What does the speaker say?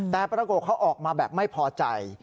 แต่ปรากฏเขาออกมาแบบไม่พอใจ